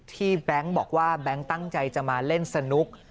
แบงค์บอกว่าแบงค์ตั้งใจจะมาเล่นสนุก